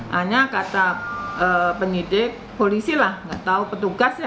hanya kata penyidik polisi lah nggak tahu petugasnya